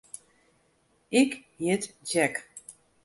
Ik hjit Jack.